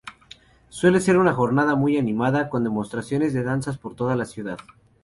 Suele ser una jornada muy animada con demostraciones de danzas por toda la ciudad.